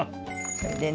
それでね